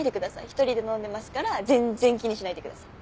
１人で飲んでますから全然気にしないでください。